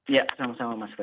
iya sama sama mas ferdie